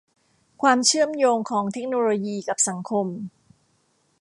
ความเชื่อมโยงของเทคโนโลยีกับสังคม